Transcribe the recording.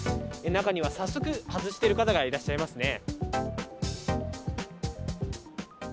中では早速、外している方がいらっしゃいますね。